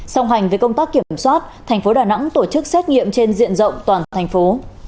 song hành với công tác kiểm soát thành phố đà nẵng tổ chức xét nghiệm trên diện rộng toàn thành phố